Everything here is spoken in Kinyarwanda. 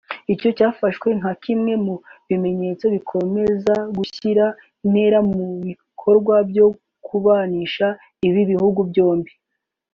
Icyo cyafashwe nka kimwe mu bimenyetso bikomeza gushyira intera mu bikorwa byo kubanisha ibi bihugu byombi